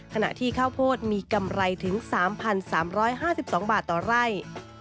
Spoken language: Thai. ขณะที่ข้าวโพดมีกำไรถึง๓๓๕๒บาทต่อไร่